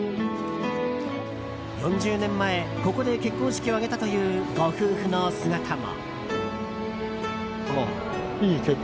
４０年前、ここで結婚式を挙げたというご夫婦の姿も。